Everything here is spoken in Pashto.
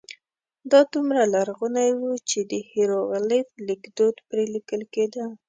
دا دومره لرغونی و چې د هېروغلیف لیکدود پرې لیکل کېده.